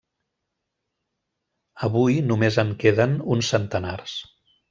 Avui només en queden uns centenars.